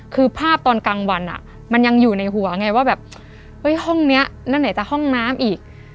คือภาพตอนกลางวันมันยังอยู่ในหัวไงว่าแบบเฮ้ยห้องนี้นั่นไหนจะห้องน้ำอีก